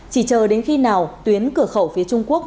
chỉ chờ đến khi nào tuyến cửa khẩu phía trung quốc